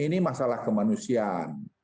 ini masalah kemanusiaan